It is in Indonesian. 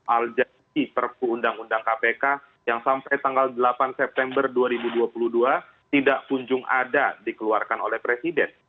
al jati perpu undang undang kpk yang sampai tanggal delapan september dua ribu dua puluh dua tidak kunjung ada dikeluarkan oleh presiden